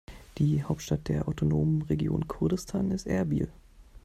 Die Hauptstadt der autonomen Region Kurdistan ist Erbil.